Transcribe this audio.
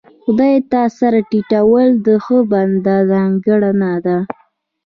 خدای ته سر ټيټول د ښه بنده ځانګړنه ده.